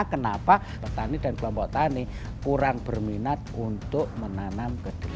kenapa petani dan kelompok tani kurang berminat untuk menanam kedelai